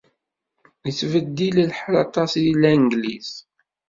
Yettbeddil lḥal aṭas deg Langliz.